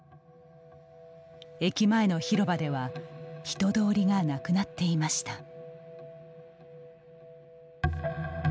駅前の広場では人通りがなくなっていました。